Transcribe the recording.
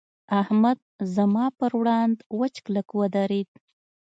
احمد زما پر وړاند وچ کلک ودرېد.